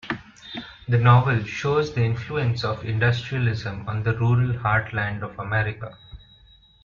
The novel shows the influence of industrialism on the rural heartland of America.